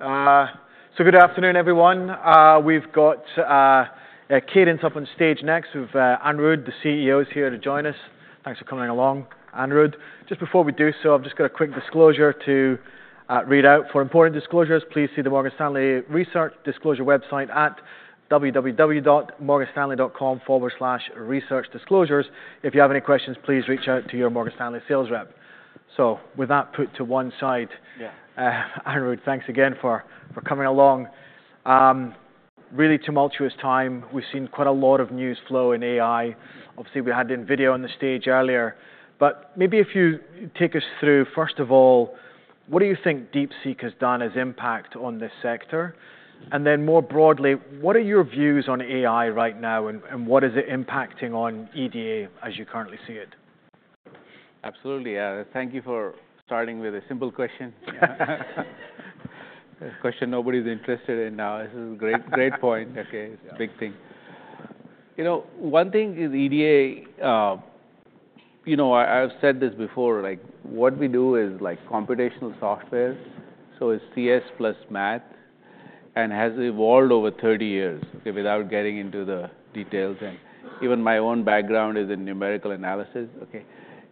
All right, so good afternoon, everyone. We've got Cadence up on stage next with Anirudh, the CEO, here to join us. Thanks for coming along, Anirudh. Just before we do so, I've just got a quick disclosure to read out. For important disclosures, please see the Morgan Stanley Research Disclosure website at www.morganstanley.com/researchdisclosures. If you have any questions, please reach out to your Morgan Stanley sales rep. So with that put to one side, Anirudh, thanks again for coming along. Really tumultuous time. We've seen quite a lot of news flow in AI. Obviously, we had NVIDIA on the stage earlier. But maybe if you take us through, first of all, what do you think DeepSeek has done as impact on this sector? And then more broadly, what are your views on AI right now, and what is it impacting on EDA as you currently see it? Absolutely. Thank you for starting with a simple question. A question nobody's interested in now. This is a great point. OK, it's a big thing. One thing is EDA, I've said this before, what we do is computational software. So it's CS plus math and has evolved over 30 years without getting into the details. And even my own background is in numerical analysis.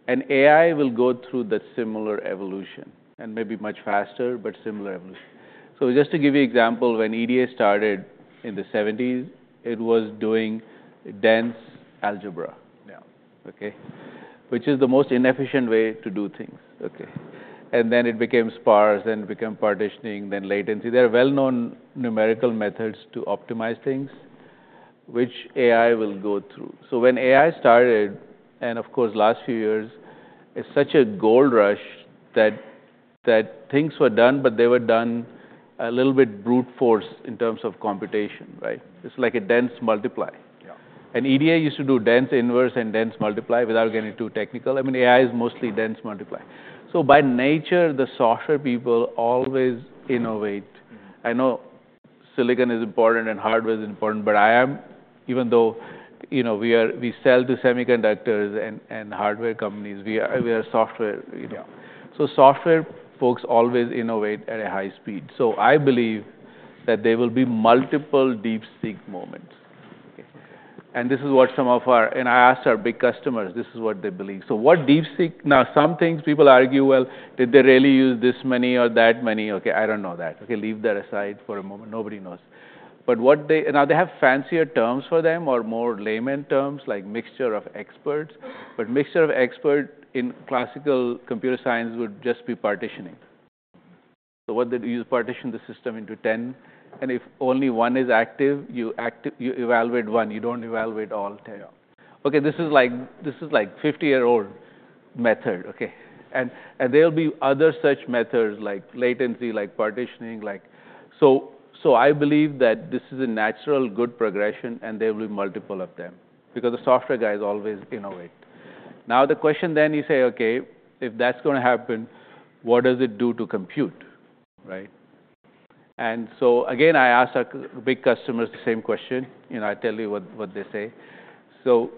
And AI will go through the similar evolution, and maybe much faster, but similar evolution. So just to give you an example, when EDA started in the 1970s, it was doing dense algebra, which is the most inefficient way to do things. And then it became sparse, then it became partitioning, then latency. There are well-known numerical methods to optimize things, which AI will go through. So when AI started, and of course, the last few years, it's such a gold rush that things were done, but they were done a little bit brute force in terms of computation. It's like a dense multiply. And EDA used to do dense inverse and dense multiply without getting too technical. I mean, AI is mostly dense multiply. So by nature, the software people always innovate. I know silicon is important and hardware is important, but I am, even though we sell to semiconductors and hardware companies, we are software. So software folks always innovate at a high speed. So I believe that there will be multiple DeepSeek moments. And this is what some of our, and I asked our big customers, this is what they believe. So what DeepSeek, now, some things people argue, well, did they really use this many or that many? OK, I don't know that. Leave that aside for a moment. Nobody knows. But now they have fancier terms for them or more layman terms, like mixture of experts. But mixture of experts in classical computer science would just be partitioning. So what they do is partition the system into 10. And if only one is active, you evaluate one. You don't evaluate all 10. This is like a 50-year-old method. And there will be other such methods, like latency, like partitioning. So I believe that this is a natural good progression, and there will be multiple of them, because the software guys always innovate. Now the question then you say, OK, if that's going to happen, what does it do to compute? And so again, I asked our big customers the same question. I tell you what they say. So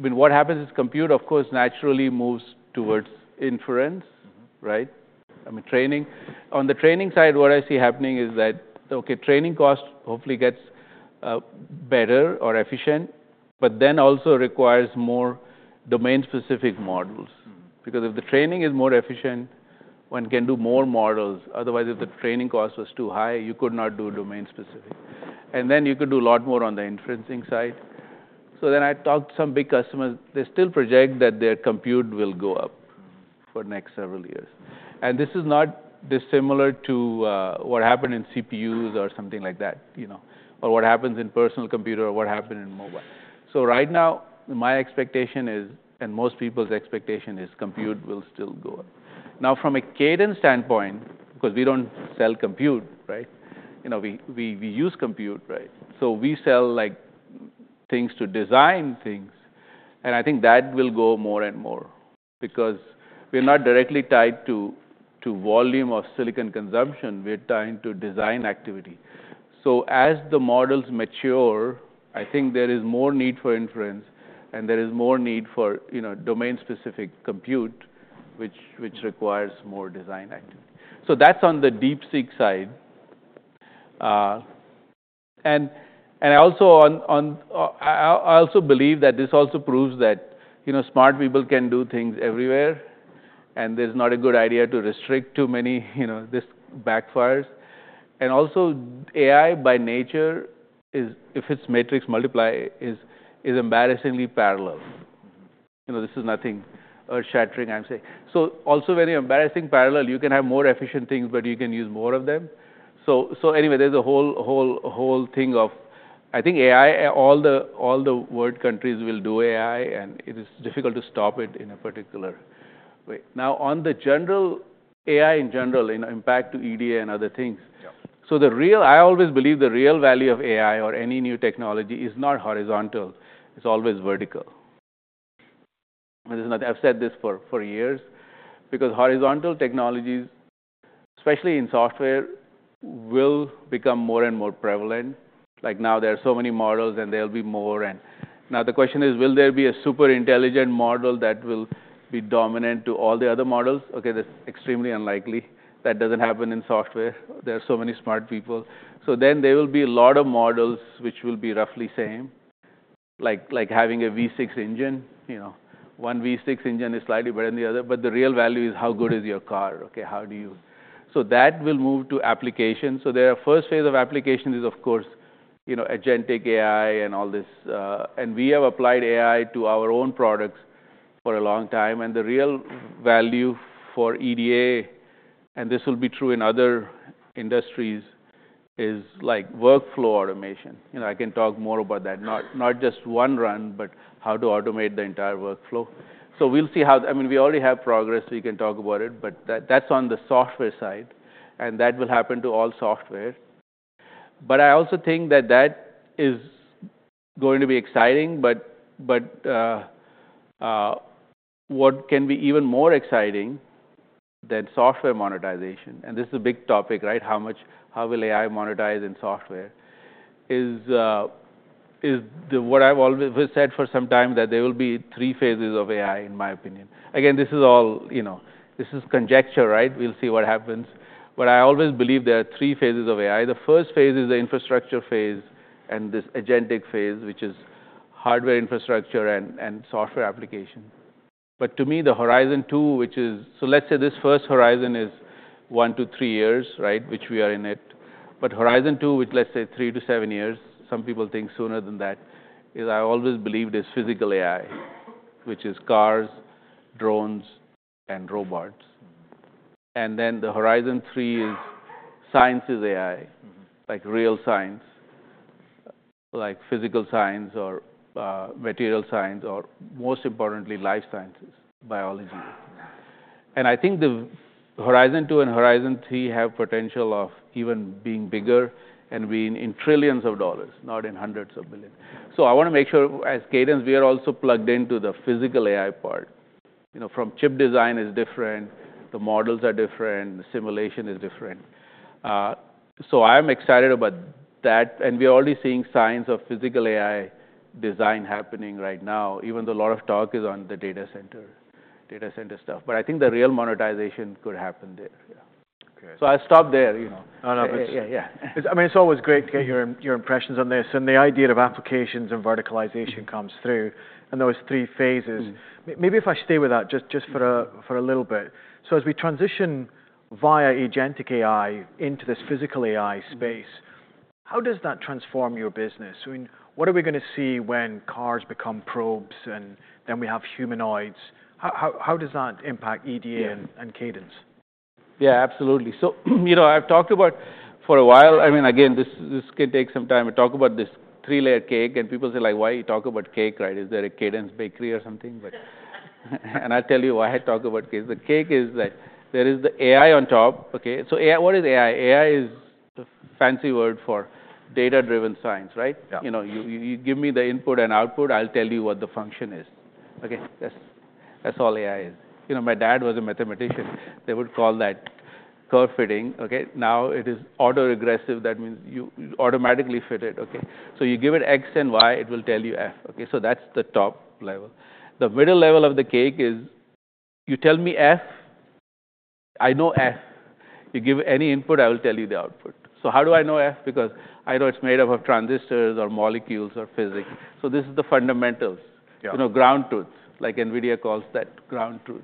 what happens is compute, of course, naturally moves towards inference, training. On the training side, what I see happening is that training cost hopefully gets better or efficient, but then also requires more domain-specific models. Because if the training is more efficient, one can do more models. Otherwise, if the training cost was too high, you could not do domain-specific. And then you could do a lot more on the inferencing side. So then I talked to some big customers. They still project that their compute will go up for the next several years. And this is not dissimilar to what happened in CPUs or something like that, or what happens in personal computer, or what happened in mobile. So right now, my expectation is, and most people's expectation is, compute will still go up. Now, from a Cadence standpoint, because we don't sell compute, we use compute. So we sell things to design things. And I think that will go more and more, because we're not directly tied to volume of silicon consumption. We're tied to design activity. So as the models mature, I think there is more need for inference, and there is more need for domain-specific compute, which requires more design activity. So that's on the DeepSeek side. And I also believe that this also proves that smart people can do things everywhere, and there's not a good idea to restrict too many. This backfires. And also, AI by nature, if it's matrix multiply, is embarrassingly parallel. This is nothing earth-shattering I'm saying. So also, very embarrassingly parallel, you can have more efficient things, but you can use more of them. So anyway, there's a whole thing of, I think AI, all the world countries will do AI, and it is difficult to stop it in a particular way. Now, on the general AI in general, impact to EDA and other things, so I always believe the real value of AI or any new technology is not horizontal. It's always vertical. I've said this for years, because horizontal technologies, especially in software, will become more and more prevalent. Like now, there are so many models, and there will be more. And now the question is, will there be a super intelligent model that will be dominant to all the other models? OK, that's extremely unlikely. That doesn't happen in software. There are so many smart people. So then there will be a lot of models which will be roughly same, like having a V6 engine. One V6 engine is slightly better than the other. But the real value is how good is your car? So that will move to applications. So the first phase of applications is, of course, agentic AI and all this. And we have applied AI to our own products for a long time. And the real value for EDA, and this will be true in other industries, is workflow automation. I can talk more about that, not just one run, but how to automate the entire workflow. So we'll see how we already have progress. We can talk about it. But that's on the software side, and that will happen to all software. But I also think that that is going to be exciting. But what can be even more exciting than software monetization? And this is a big topic, right? How will AI monetize in software? It's what I've always said for some time that there will be three phases of AI, in my opinion. Again, this is conjecture. We'll see what happens. But I always believe there are three phases of AI. The first phase is the infrastructure phase and this agentic phase, which is hardware infrastructure and software application. But to me, the horizon two, which is, so let's say this first horizon is one to three years, which we are in it. But horizon two, which let's say three to seven years, some people think sooner than that, is I always believed is physical AI, which is cars, drones, and robots. And then the horizon three is science is AI, like real science, like physical science or material science, or most importantly, life sciences, biology. And I think the horizon two and horizon three have potential of even being bigger and being in trillions of dollars, not in hundreds of billions. So I want to make sure, as Cadence, we are also plugged into the physical AI part. From chip design is different. The models are different. The simulation is different. So I am excited about that. And we're already seeing signs of physical AI design happening right now, even though a lot of talk is on the data center stuff. But I think the real monetization could happen there. So I'll stop there. Oh, no. I mean, it's always great to get your impressions on this, and the idea of applications and verticalization comes through, and those three phases, maybe if I stay with that just for a little bit, so as we transition via agentic AI into this physical AI space, how does that transform your business? What are we going to see when cars become probes and then we have humanoids? How does that impact EDA and Cadence? Yeah, absolutely. So I've talked about for a while, I mean, again, this can take some time. We talk about this three-layer cake. And people say, like, why are you talking about cake? Is there a Cadence Bakery or something? And I'll tell you why I talk about cake. The cake is that there is the AI on top. So what is AI? AI is a fancy word for data-driven science. You give me the input and output, I'll tell you what the function is. That's all AI is. My dad was a mathematician. They would call that curve fitting. Now it is autoregressive. That means you automatically fit it. So you give it x and y, it will tell you f. So that's the top level. The middle level of the cake is you tell me f. I know f. You give any input, I will tell you the output, so how do I know f? Because I know it's made up of transistors or molecules or physics, so this is the fundamentals, ground truth, like NVIDIA calls that ground truth,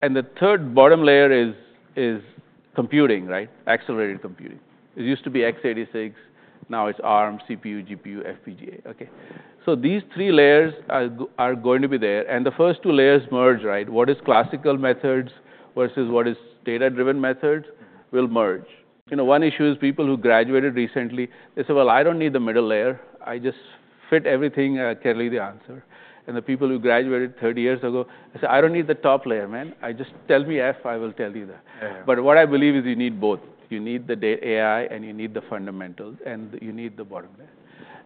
and the third bottom layer is computing, accelerated computing. It used to be x86. Now it's ARM, CPU, GPU, FPGA, so these three layers are going to be there, and the first two layers merge. What is classical methods versus what is data-driven methods will merge. One issue is people who graduated recently, they say, well, I don't need the middle layer. I just fit everything. I'll tell you the answer, and the people who graduated 30 years ago, I say, I don't need the top layer, man. Just tell me f. I will tell you that, but what I believe is you need both. You need the AI, and you need the fundamentals, and you need the bottom layer.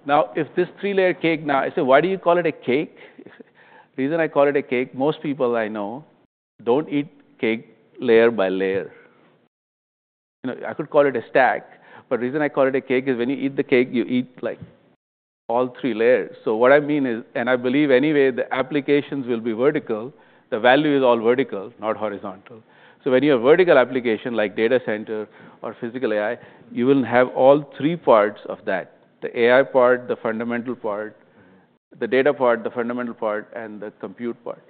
Now, if this three-layer cake now, I say, why do you call it a cake? The reason I call it a cake, most people I know don't eat cake layer by layer. I could call it a stack, but the reason I call it a cake is when you eat the cake, you eat all three layers, so what I mean is, and I believe anyway, the applications will be vertical. The value is all vertical, not horizontal, so when you have vertical application, like data center or physical AI, you will have all three parts of that, the AI part, the fundamental part, the data part, the fundamental part, and the compute part,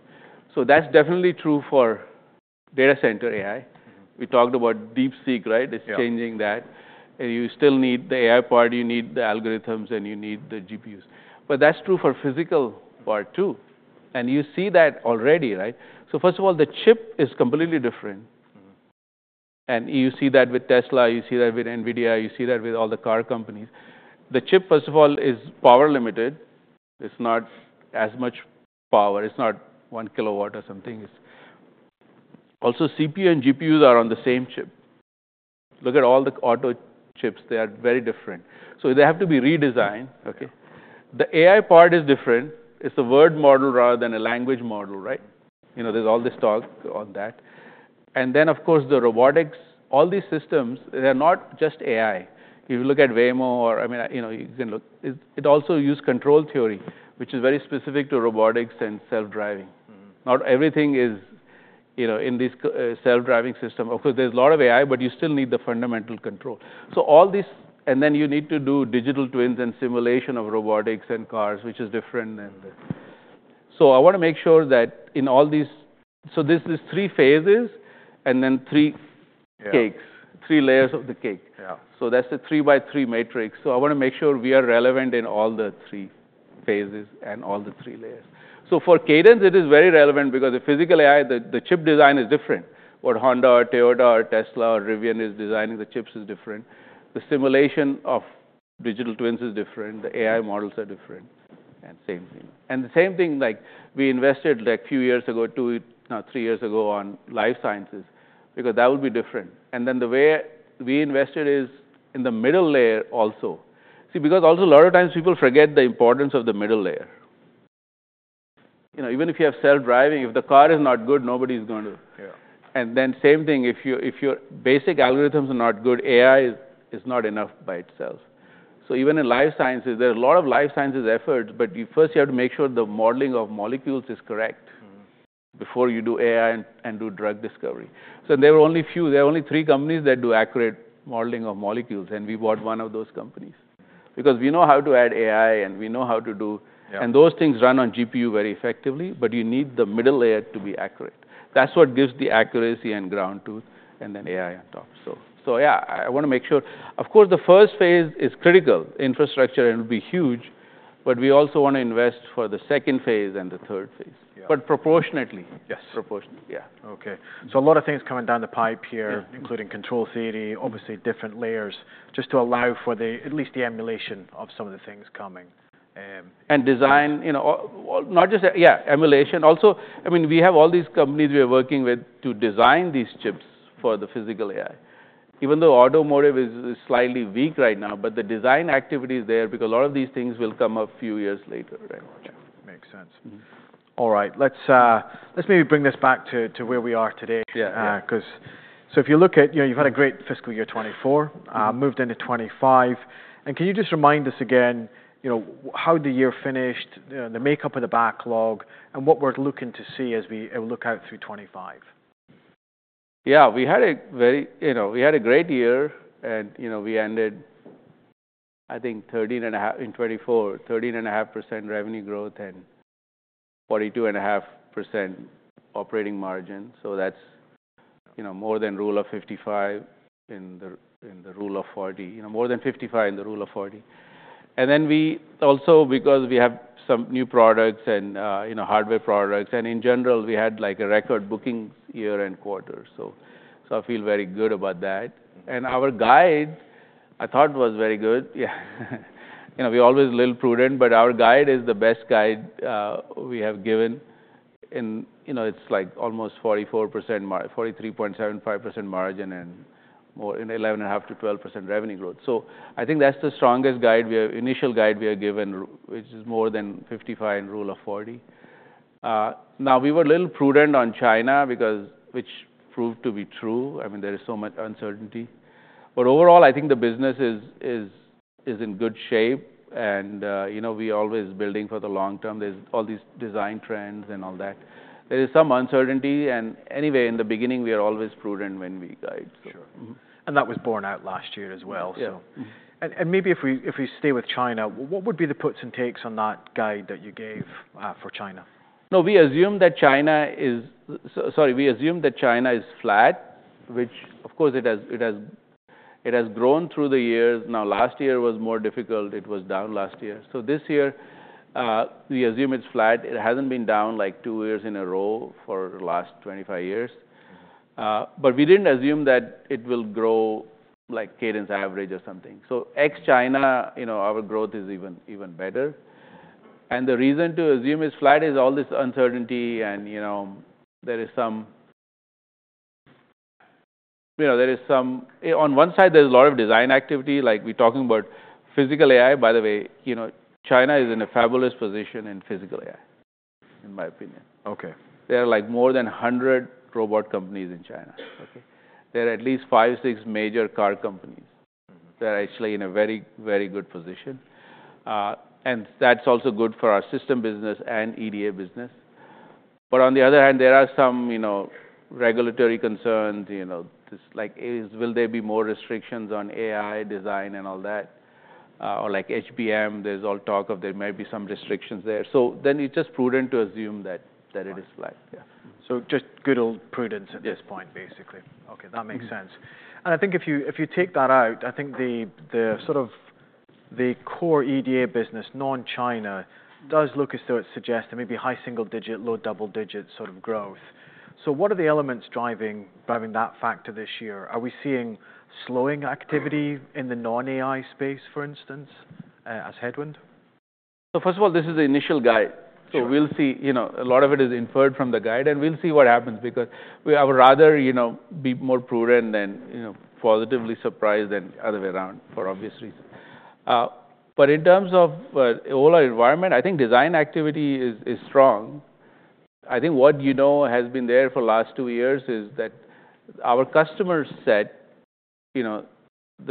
so that's definitely true for data center AI. We talked about DeepSeek. It's changing that. And you still need the AI part. You need the algorithms, and you need the GPUs. But that's true for the physical part, too. And you see that already. So first of all, the chip is completely different. And you see that with Tesla. You see that with NVIDIA. You see that with all the car companies. The chip, first of all, is power limited. It's not as much power. It's not one kilowatt or something. Also, CPU and GPUs are on the same chip. Look at all the auto chips. They are very different. So they have to be redesigned. The AI part is different. It's a world model rather than a language model. There's all this talk on that. And then, of course, the robotics, all these systems, they're not just AI. If you look at Waymo or you can look, it also uses control theory, which is very specific to robotics and self-driving. Not everything is in these self-driving systems. Of course, there's a lot of AI, but you still need the fundamental control. And then you need to do digital twins and simulation of robotics and cars, which is different. So I want to make sure that in all these, so there's these three phases and then three cakes, three layers of the cake. So that's the three by three matrix. So I want to make sure we are relevant in all the three phases and all the three layers. So for Cadence, it is very relevant, because the physical AI, the chip design is different. What Honda or Toyota or Tesla or Rivian is designing, the chips are different. The simulation of digital twins is different. The AI models are different. And the same thing, we invested a few years ago, two or three years ago on life sciences, because that will be different. And then the way we invested is in the middle layer also. See, because also a lot of times people forget the importance of the middle layer. Even if you have self-driving, if the car is not good, nobody's going to. And then same thing, if your basic algorithms are not good, AI is not enough by itself. So even in life sciences, there are a lot of life sciences efforts. But first, you have to make sure the modeling of molecules is correct before you do AI and do drug discovery. So there were only a few. There are only three companies that do accurate modeling of molecules. And we bought one of those companies, because we know how to add AI, and we know how to do. And those things run on GPU very effectively. But you need the middle layer to be accurate. That's what gives the accuracy and ground truth, and then AI on top. So yeah, I want to make sure. Of course, the first phase is critical. Infrastructure will be huge. But we also want to invest for the second phase and the third phase. But proportionately. Yes. So a lot of things coming down the pipe here, including control theory, obviously different layers, just to allow for at least the emulation of some of the things coming. And design, not just emulation. Also, I mean, we have all these companies we're working with to design these chips for the physical AI. Even though automotive is slightly weak right now, but the design activity is there, because a lot of these things will come a few years later. Makes sense. All right, let's maybe bring this back to where we are today. So if you look at, you've had a great fiscal year 2024, moved into 2025. And can you just remind us again how the year finished, the makeup of the backlog, and what we're looking to see as we look out through 2025? Yeah, we had a great year. And we ended, I think, in 2024, 13.5% revenue growth and 42.5% operating margin. So that's more than Rule of 55 in the Rule of 40, more than 55 in the Rule of 40. And then we also, because we have some new products and hardware products. And in general, we had a record booking year and quarter. So I feel very good about that. And our guide, I thought, was very good. We're always a little prudent. But our guide is the best guide we have given. And it's like almost 43.75% margin and 11.5%- 12% revenue growth. So I think that's the strongest initial guide we have given, which is more than 55 in the Rule of 40. Now, we were a little prudent on China, which proved to be true. I mean, there is so much uncertainty. But overall, I think the business is in good shape. And we're always building for the long term. There's all these design trends and all that. There is some uncertainty. And anyway, in the beginning, we are always prudent when we guide. And that was borne out last year as well. And maybe if we stay with China, what would be the puts and takes on that guide that you gave for China? No, we assume that China is, sorry, we assume that China is flat, which, of course, it has grown through the years. Now, last year was more difficult. It was down last year. So this year, we assume it's flat. It hasn't been down like two years in a row for the last 25 years. But we didn't assume that it will grow like Cadence average or something. So ex-China, our growth is even better. And the reason to assume it's flat is all this uncertainty. And on one side, there's a lot of design activity. Like we're talking about physical AI. By the way, China is in a fabulous position in physical AI, in my opinion. There are more than 100 robot companies in China. There are at least five, six major car companies that are actually in a very, very good position. And that's also good for our system business and EDA business. But on the other hand, there are some regulatory concerns. Will there be more restrictions on AI design and all that? Or like HBM, there's all talk of there may be some restrictions there. So then you're just prudent to assume that it is flat. So just good old prudence at this point, basically. That makes sense. And I think if you take that out, I think the core EDA business, non-China, does look as though it's suggesting maybe high single digit, low double digit sort of growth. So what are the elements driving that factor this year? Are we seeing slowing activity in the non-AI space, for instance, as headwind? First of all, this is the initial guide. We'll see a lot of it is inferred from the guide. And we'll see what happens, because we would rather be more prudent than positively surprised than the other way around for obvious reasons. But in terms of all our environment, I think design activity is strong. I think what you know has been there for the last two years is that our customers said the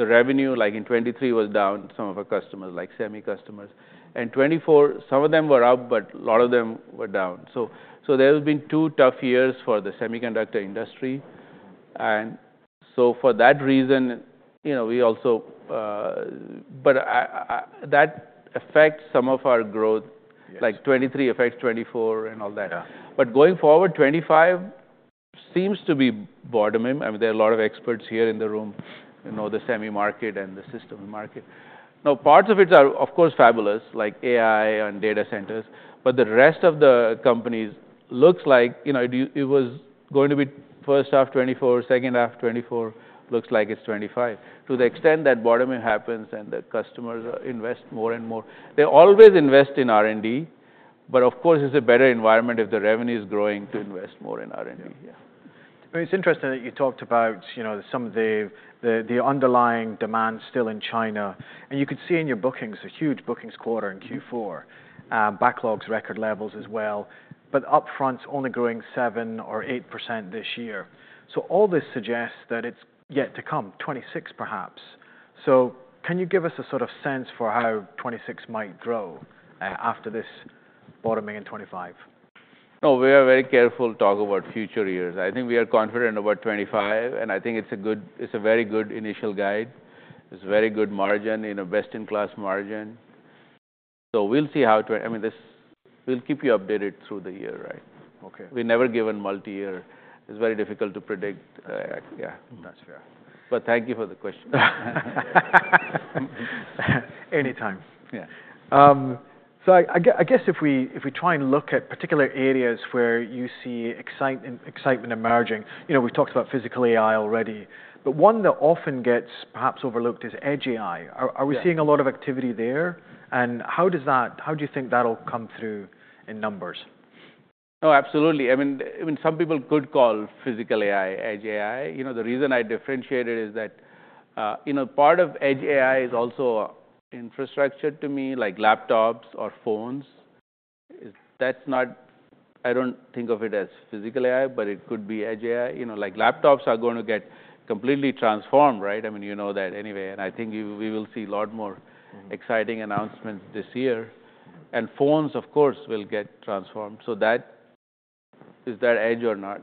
revenue in 2023 was down. Some of our customers, like semi customers. And 2024, some of them were up, but a lot of them were down. So there have been two tough years for the semiconductor industry. And so for that reason, we also but that affects some of our growth. Like 2023 affects 2024 and all that. But going forward, 2025 seems to be booming. I mean, there are a lot of experts here in the room who know the semi market and the system market. Now, parts of it are, of course, fabulous, like AI and data centers. But the rest of the companies looks like it was going to be first half 2024, second half 2024, looks like it's 2025. To the extent that borrowing happens and the customers invest more and more, they always invest in R&D. But of course, it's a better environment if the revenue is growing to invest more in R&D. It's interesting that you talked about some of the underlying demand still in China, and you could see in your bookings a huge bookings quarter in Q4, backlogs, record levels as well, but upfront, only growing 7% or 8% this year, so all this suggests that it's yet to come, 2026 perhaps, so can you give us a sort of sense for how 2026 might grow after this boring in 2025? No, we are very careful talking about future years. I think we are confident about 2025, and I think it's a very good initial guide. It's a very good margin, best in class margin, so we'll see how, I mean, we'll keep you updated through the year. We're never given multi-year. It's very difficult to predict. Yeah. That's fair. But thank you for the question. Anytime. So I guess if we try and look at particular areas where you see excitement emerging, we've talked about physical AI already. But one that often gets perhaps overlooked is edge AI. Are we seeing a lot of activity there? And how do you think that'll come through in numbers? Oh, absolutely. I mean, some people could call physical AI edge AI. The reason I differentiate it is that part of edge AI is also infrastructure to me, like laptops or phones. I don't think of it as physical AI, but it could be edge AI. Like laptops are going to get completely transformed. I mean, you know that anyway. And I think we will see a lot more exciting announcements this year. And phones, of course, will get transformed. So is that edge or not?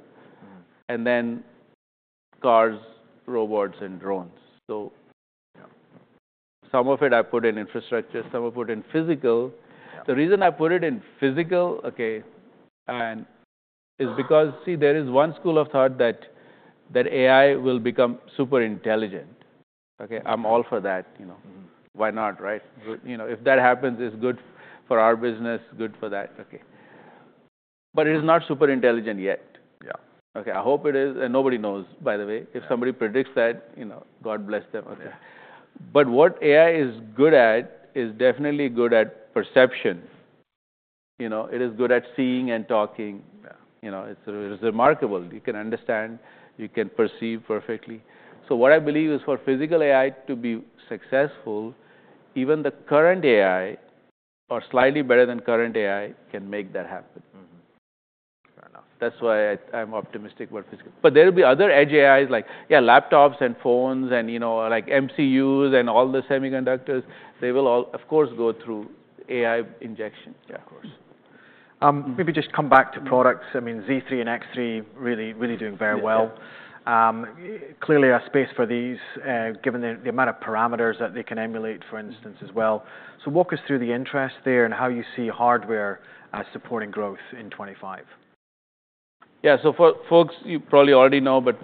And then cars, robots, and drones. So some of it I put in infrastructure. Some I put in physical. The reason I put it in physical is because, see, there is one school of thought that AI will become super intelligent. I'm all for that. Why not? If that happens, it's good for our business, good for that. But it is not super intelligent yet. I hope it is. And nobody knows, by the way. If somebody predicts that, God bless them. But what AI is good at is definitely good at perception. It is good at seeing and talking. It's remarkable. You can understand. You can perceive perfectly. So what I believe is for physical AI to be successful, even the current AI, or slightly better than current AI, can make that happen. That's why I'm optimistic about physical. But there will be other edge AIs, like laptops and phones and MCUs and all the semiconductors. They will all, of course, go through AI injection. Of course. Maybe just come back to products. I mean, Z3 and X3 really doing very well. Clearly, a space for these, given the amount of parameters that they can emulate, for instance, as well. So walk us through the interest there and how you see hardware supporting growth in 2025. Yeah, so folks, you probably already know, but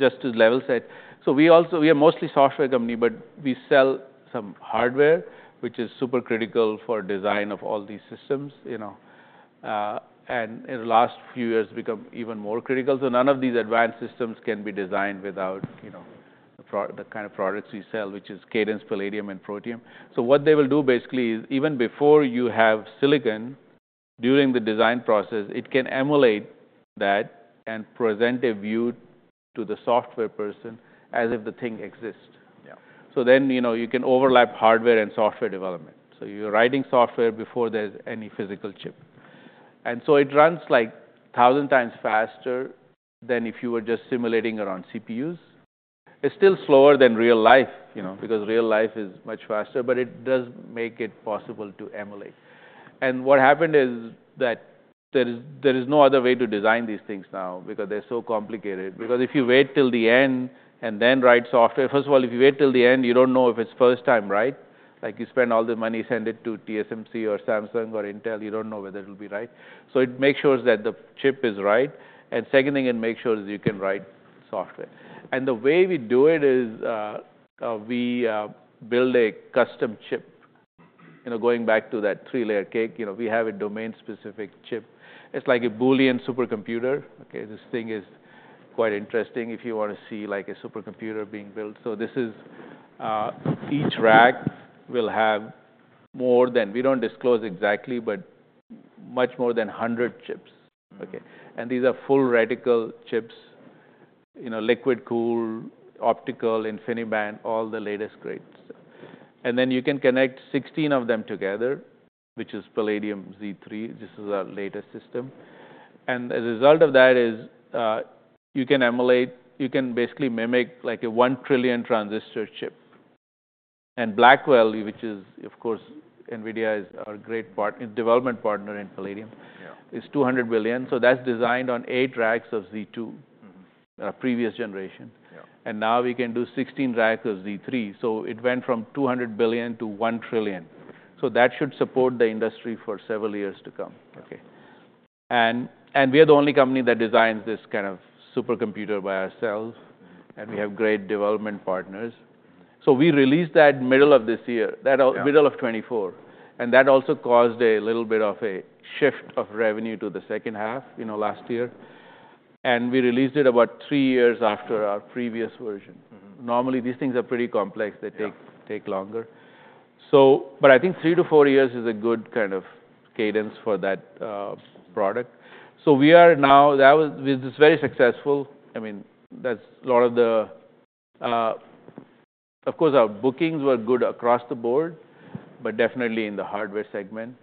just to level set, we are mostly a software company. But we sell some hardware, which is super critical for design of all these systems. And in the last few years, it's become even more critical. So none of these advanced systems can be designed without the kind of products we sell, which is Cadence Palladium, and Protium. So what they will do basically is, even before you have silicon during the design process, it can emulate that and present a view to the software person as if the thing exists. So then you can overlap hardware and software development. So you're writing software before there's any physical chip. And so it runs like 1,000 times faster than if you were just simulating around CPUs. It's still slower than real life, because real life is much faster. It does make it possible to emulate. And what happened is that there is no other way to design these things now, because they're so complicated. Because if you wait till the end and then write software, first of all, if you wait till the end, you don't know if it's first time right. Like you spend all the money, send it to TSMC or Samsung or Intel, you don't know whether it will be right. So it makes sure that the chip is right. And second thing it makes sure you can write software. And the way we do it is we build a custom chip. Going back to that three-layer cake, we have a domain-specific chip. It's like a boolean supercomputer. This thing is quite interesting if you want to see a supercomputer being built. So each rack will have more than we don't disclose exactly, but much more than 100 chips. And these are full reticle chips, liquid cool, optical, InfiniBand, all the latest grades. And then you can connect 16 of them together, which is Palladium Z3. This is our latest system. And as a result of that is you can emulate, you can basically mimic like a one trillion transistor chip. And Blackwell, which is, of course, NVIDIA's development partner in Palladium, is 200 billion. So that's designed on eight racks of Z2, previous generation. And now we can do 16 racks of Z3. So it went from 200 billion to one trillion. So that should support the industry for several years to come. And we are the only company that designs this kind of supercomputer by ourselves. And we have great development partners. So we released that middle of this year, middle of 2024. And that also caused a little bit of a shift of revenue to the second half last year. And we released it about three years after our previous version. Normally, these things are pretty complex. They take longer. But I think three to four years is a good kind of cadence for that product. So we are now. That was very successful. I mean, that's a lot of the, of course, our bookings were good across the board, but definitely in the hardware segment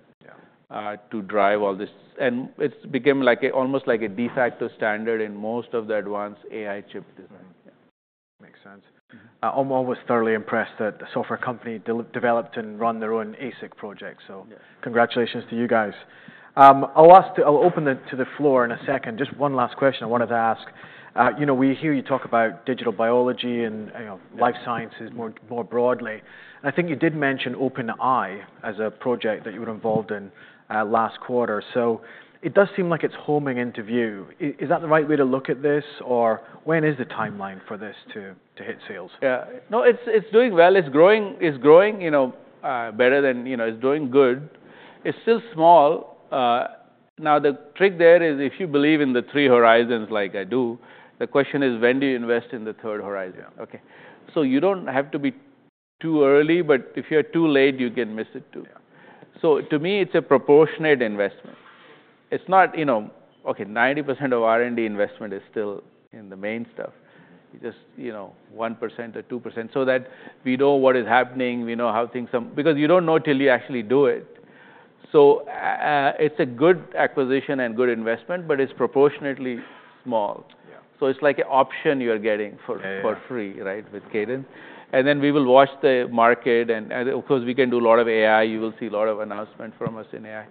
to drive all this. And it's become almost like a de facto standard in most of the advanced AI chip design. Makes sense. I'm always thoroughly impressed that the software company developed and run their own ASIC project. So congratulations to you guys. I'll open it to the floor in a second. Just one last question I wanted to ask. We hear you talk about digital biology and life sciences more broadly. And I think you did mention OpenAI as a project that you were involved in last quarter. So it does seem like it's coming into view. Is that the right way to look at this? Or when is the timeline for this to hit sales? Yeah. No, it's doing well. It's growing better than it's doing good. It's still small. Now, the trick there is if you believe in the three horizons like I do, the question is, when do you invest in the third horizon? So you don't have to be too early. But if you're too late, you can miss it too. So to me, it's a proportionate investment. It's not, OK, 90% of R&D investment is still in the main stuff. Just 1% or 2% so that we know what is happening. We know how things because you don't know till you actually do it. So it's a good acquisition and good investment, but it's proportionately small. So it's like an option you're getting for free with Cadence. And then we will watch the market. And of course, we can do a lot of AI. You will see a lot of announcements from us in AI.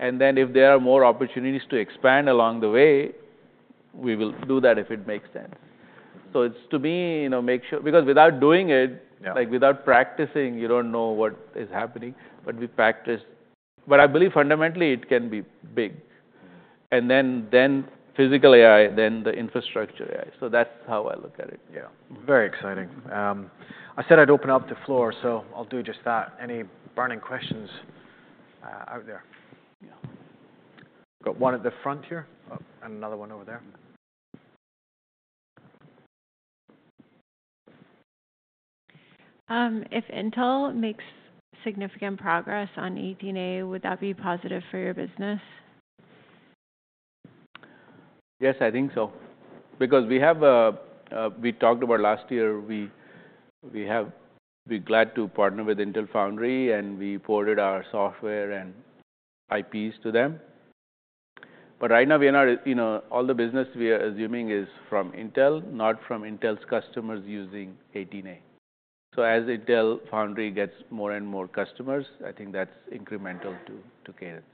And then if there are more opportunities to expand along the way, we will do that if it makes sense. So to me, make sure because without doing it, like without practicing, you don't know what is happening. But we practice. But I believe fundamentally it can be big. And then physical AI, then the infrastructure AI. So that's how I look at it. Yeah, very exciting. I said I'd open up the floor. So I'll do just that. Any burning questions out there? Got one at the front here, and another one over there. If Intel makes significant progress on 18A, would that be positive for your business? Yes, I think so. Because we talked about last year, we're glad to partner with Intel Foundry. And we ported our software and IPs to them. But right now, all the business we are assuming is from Intel, not from Intel's customers using 18A. So as Intel Foundry gets more and more customers, I think that's incremental to Cadence.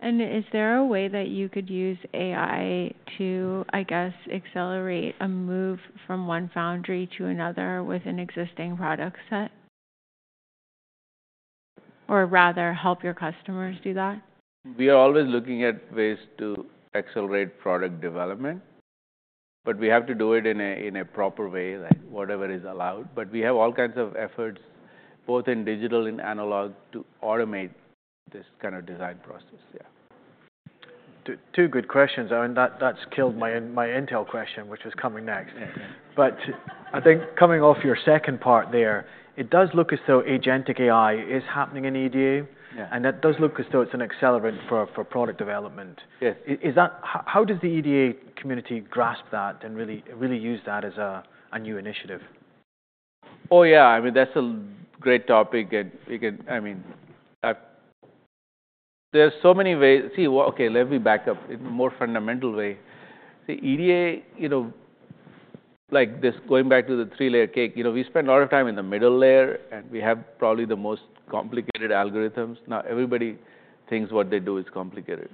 Is there a way that you could use AI to, I guess, accelerate a move from one foundry to another with an existing product set? Or rather, help your customers do that? We are always looking at ways to accelerate product development. But we have to do it in a proper way, whatever is allowed. But we have all kinds of efforts, both in digital and analog, to automate this kind of design process. Yeah. Two good questions. That's killed my Intel question, which was coming next. But I think coming off your second part there, it does look as though agentic AI is happening in EDA. And that does look as though it's an accelerant for product development. How does the EDA community grasp that and really use that as a new initiative? Oh, yeah. I mean, that's a great topic. I mean, there are so many ways. See, OK, let me back up in a more fundamental way. EDA, like this going back to the three-layer cake, we spend a lot of time in the middle layer, and we have probably the most complicated algorithms. Now, everybody thinks what they do is complicated,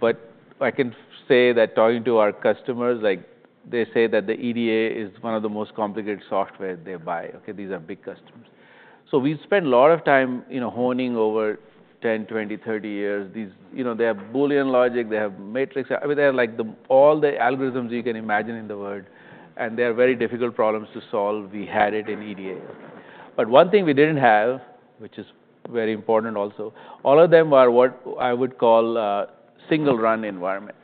but I can say that talking to our customers, they say that the EDA is one of the most complicated software they buy. These are big customers, so we spend a lot of time honing over 10, 20, 30 years. They have Boolean logic. They have matrix. I mean, they have all the algorithms you can imagine in the world, and they are very difficult problems to solve. We had it in EDA. But one thing we didn't have, which is very important also. All of them are what I would call single-run environment.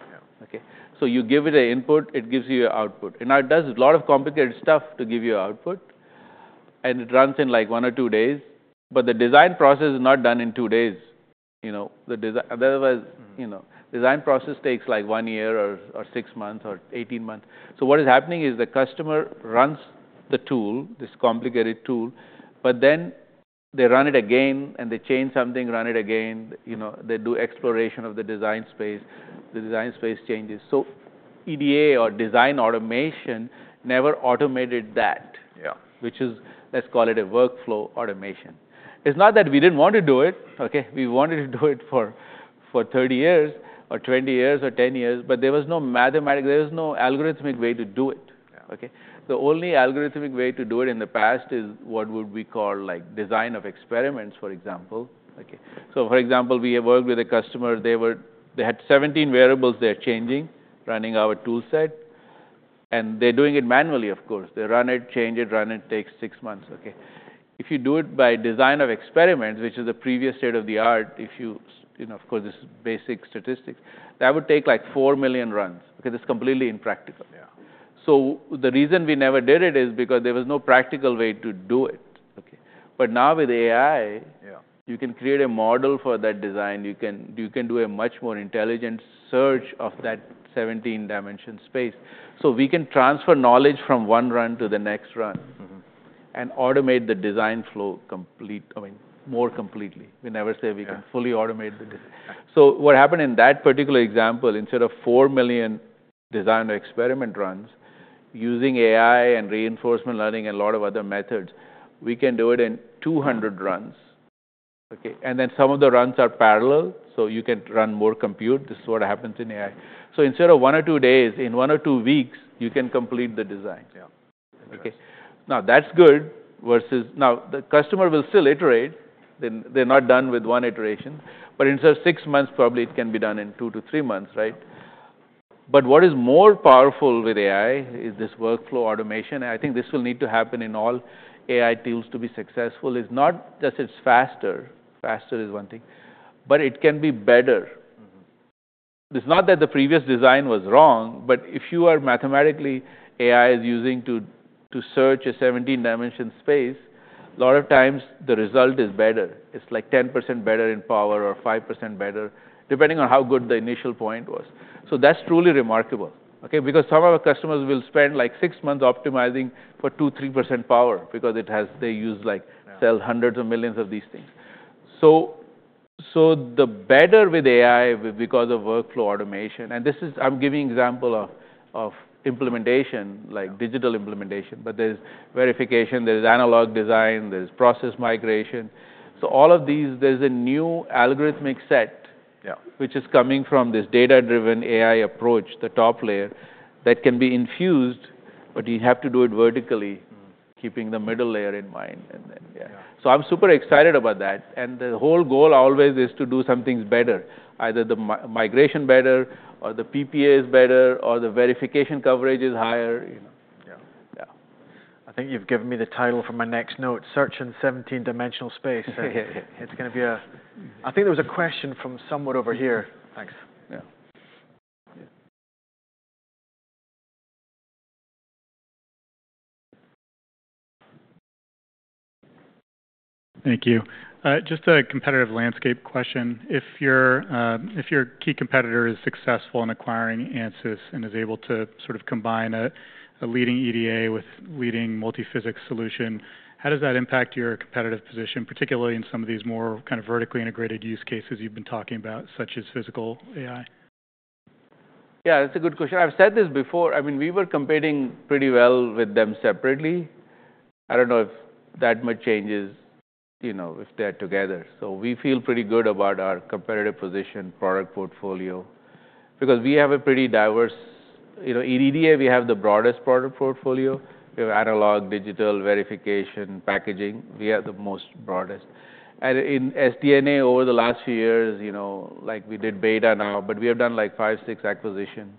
So you give it an input. It gives you an output. And now it does a lot of complicated stuff to give you output. And it runs in like one or two days. But the design process is not done in two days. Otherwise, the design process takes like one year or six months or 18 months. So what is happening is the customer runs the tool, this complicated tool. But then they run it again. And they change something, run it again. They do exploration of the design space. The design space changes. So EDA or design automation never automated that, which is, let's call it a workflow automation. It's not that we didn't want to do it. We wanted to do it for 30 years or 20 years or 10 years. But there was no mathematical, there was no algorithmic way to do it. The only algorithmic way to do it in the past is what we would call design of experiments, for example. So for example, we have worked with a customer. They had 17 variables they're changing, running our tool set. And they're doing it manually, of course. They run it, change it, run it. It takes six months. If you do it by design of experiments, which is the previous state of the art, if you, of course, this is basic statistics, that would take like four million runs. Because it's completely impractical. So the reason we never did it is because there was no practical way to do it. But now with AI, you can create a model for that design. You can do a much more intelligent search of that 17-dimensional space. So we can transfer knowledge from one run to the next run and automate the design flow more completely. We never say we can fully automate the design. So what happened in that particular example, instead of 4 million design experiment runs using AI and reinforcement learning and a lot of other methods, we can do it in 200 runs. And then some of the runs are parallel. So you can run more compute. This is what happens in AI. So instead of one or two days, in one or two weeks, you can complete the design. Now, that's good versus now, the customer will still iterate. They're not done with one iteration. But instead of six months, probably it can be done in two to three months. But what is more powerful with AI is this workflow automation. I think this will need to happen in all AI tools to be successful. It's not just it's faster. Faster is one thing. But it can be better. It's not that the previous design was wrong. But mathematically AI is using to search a 17-dimensional space, a lot of times the result is better. It's like 10% better in power or 5% better, depending on how good the initial point was. So that's truly remarkable. Because some of our customers will spend like six months optimizing for 2%, 3% power, because they sell hundreds of millions of these things. So it's better with AI because of workflow automation. And I'm giving an example of implementation, like digital implementation. But there's verification. There's analog design. There's process migration. So all of these, there's a new algorithmic set, which is coming from this data-driven AI approach, the top layer, that can be infused. But you have to do it vertically, keeping the middle layer in mind. So I'm super excited about that. And the whole goal always is to do some things better, either the migration better or the PPA is better or the verification coverage is higher. I think you've given me the title for my next note, "Searching 17-Dimensional Space." It's going to be. I think there was a question from someone over here. Thanks. Thank you. Just a competitive landscape question. If your key competitor is successful in acquiring Ansys and is able to combine a leading EDA with leading multiphysics solution, how does that impact your competitive position, particularly in some of these more kind of vertically integrated use cases you've been talking about, such as physical AI? Yeah, that's a good question. I've said this before. I mean, we were competing pretty well with them separately. I don't know if that much changes if they're together. So we feel pretty good about our competitive position, product portfolio. Because we have a pretty diverse in EDA, we have the broadest product portfolio. We have analog, digital, verification, packaging. We have the most broadest. And in SD&A, over the last few years, we did BETA now. But we have done like five, six acquisitions.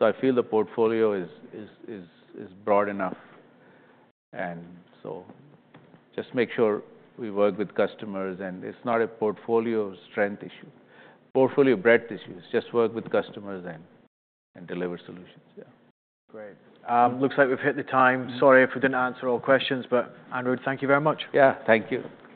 So I feel the portfolio is broad enough. And so just make sure we work with customers. And it's not a portfolio strength issue. Portfolio breadth issues. Just work with customers and deliver solutions. Great. Looks like we've hit the time. Sorry if we didn't answer all questions. But, Anirudh, thank you very much. Yeah, thank you.